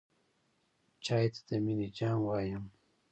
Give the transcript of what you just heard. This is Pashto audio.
چای ته د مینې جام وایم.